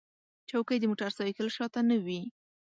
چوکۍ د موټر سایکل شا ته نه وي.